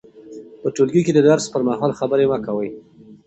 په ټولګي کې د درس پر مهال خبرې مه کوئ.